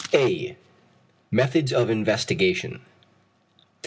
A. METHODS OF INVESTIGATION.